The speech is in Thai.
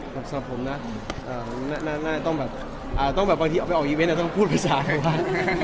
สำหรับผมนะต้องแบบบางทีไปออกอีเวนต์ต้องพูดภาษากันบ้าง